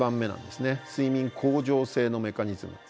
睡眠恒常性のメカニズム。